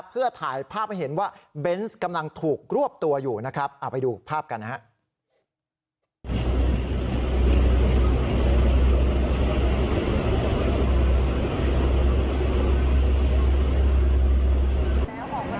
เพื่อถ่ายภาพให้เห็นว่าเบนส์กำลังถูกรวบตัวอยู่นะครับเอาไปดูภาพกันนะครับ